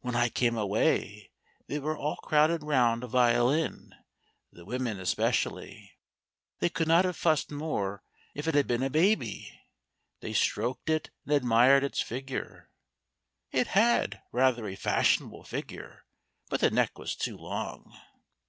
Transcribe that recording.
When I came away they were all crowded round a violin, the women especially. They could not have fussed more if it had been a baby. They stroked it and admired its figure. It had rather a fashionable figure, but the neck was too long...."